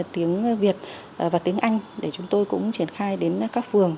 tiếng việt và tiếng anh để chúng tôi cũng triển khai đến các phường